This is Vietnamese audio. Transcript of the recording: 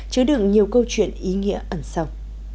chứa đựng nhiều câu chuyện ý nghĩa ẩn sâu